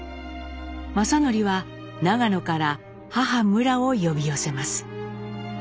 正順は長野から母むらを呼び寄せます。